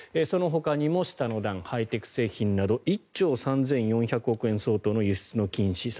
そのほかにも下の段ハイテク製品など１兆３４００億円相当の輸出の禁止